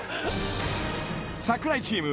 櫻井チーム